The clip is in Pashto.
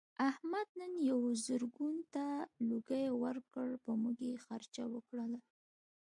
احمد نن یوه زرګون ته لوګی ورکړ په موږ یې خرڅه وکړله.